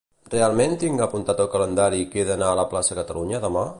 Realment tinc apuntat al calendari que he d'anar a Plaça Catalunya demà?